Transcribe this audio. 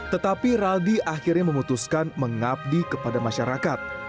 tetapi raldi akhirnya memutuskan mengabdi kepada masyarakat